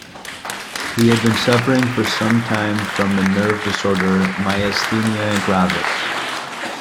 He had been suffering for some time from the nerve disorder myasthenia gravis.